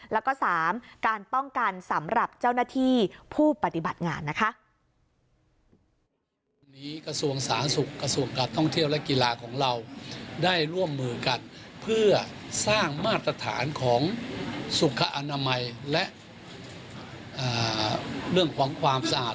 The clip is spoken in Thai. แล้วก็๓การป้องกันสำหรับเจ้าหน้าที่ผู้ปฏิบัติงานนะคะ